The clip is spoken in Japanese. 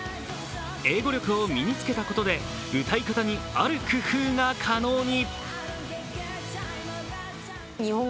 英語力を身に付けたことで歌い方にある工夫が可能に。